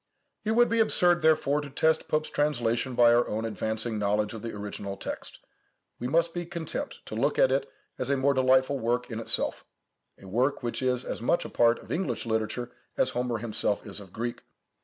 It would be absurd, therefore, to test Pope's translation by our own advancing knowledge of the original text. We must be content to look at it as a most delightful work in itself,—a work which is as much a part of English literature as Homer himself is of Greek.